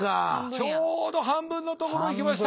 ちょうど半分のところいきました。